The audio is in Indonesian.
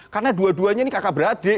karena dua duanya ini kakak beradik